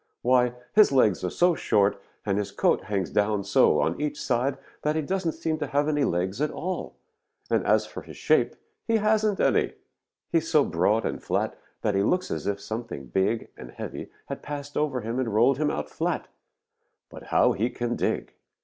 Why, his legs are so short and his coat hangs down so on each side that he doesn't seem to have any legs at all. And as for shape, he hasn't any. He is so broad and flat that he looks as if something big and heavy had passed over him and rolled him out flat. But how he can dig!